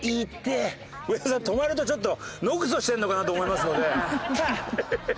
上田さん止まるとちょっと野グソしてるのかなと思いますので。